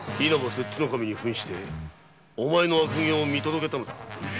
摂津守に扮してお前の悪行見届けたのだ。